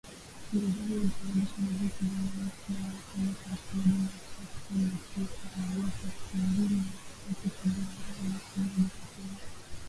mzozo huo ulisababisha vifo vya maelfu ya watu mwaka elfu moja mia tisa tisini na tisa na mwaka elfu mbili na tatu kabla ya uingiliaji kati wa kikosi cha kulinda amani